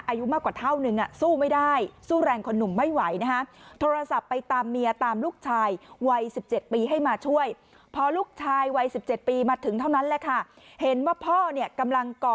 อายุมากกว่าเท่านึงสู้ไม่ได้สู้แรงคนหนุ่มไม่ไหวนะฮะ